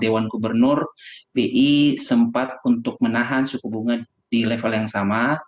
dewan gubernur bi sempat untuk menahan suku bunga di level yang sama